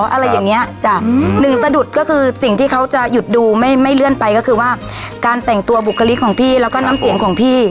อะไรอย่างเงี้ยจ้ะหนึ่งสะดุดก็คือสิ่งที่เขาจะหยุดดูไม่ไม่เลื่อนไปก็คือว่าการแต่งตัวบุคลิกของพี่แล้วก็น้ำเสียงของพี่